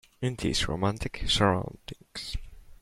In these romantic surroundings.